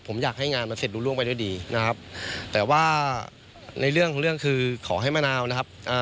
ผมอยากให้งานมันเสร็จดูล่วงไปด้วยดีนะครับแต่ว่าในเรื่องของเรื่องคือขอให้มะนาวนะครับ